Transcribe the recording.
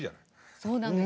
そうなんです。